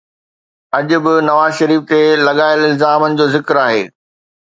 اڄ به نواز شريف تي لڳايل الزامن جو ذڪر آهي.